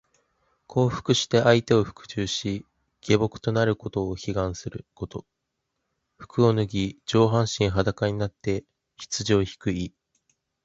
降伏して相手に服従し、臣僕となることを請願すること。肌を脱ぎ、上半身裸になって羊をひく意。